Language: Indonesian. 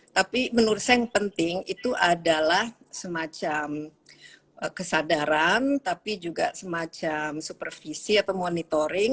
tapi menurut saya yang penting itu adalah semacam kesadaran tapi juga semacam supervisi atau monitoring